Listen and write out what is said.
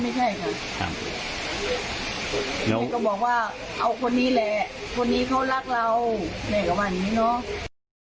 ไม่ใช่ค่ะครับนี่ก็บอกว่าเอาคนนี้แหละคนนี้เขารักเราแหละกับวันนี้เนอะ